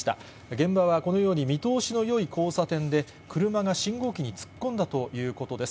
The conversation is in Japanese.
現場はこのように見通しのよい交差点で、車が信号機に突っ込んだということです。